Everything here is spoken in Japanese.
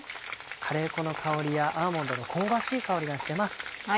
カレー粉の香りやアーモンドの香ばしい香りがしてます。